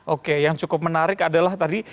oke yang cukup menarik adalah tadi